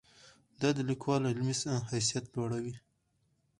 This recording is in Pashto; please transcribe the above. دا د لیکوال علمي حیثیت لوړوي.